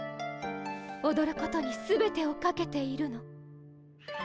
おどることに全てをかけているの。